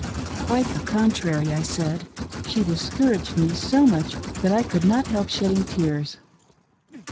" Quite the contrary," I said, " She discouraged me so much that I could not help shedding tears."